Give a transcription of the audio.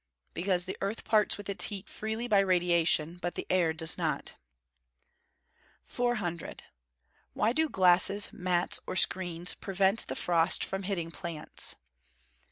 _ Because the earth parts with its heat freely by radiation; but the air does not. 400. _Why do glasses, mats, or screens, prevent the frost from hitting plants?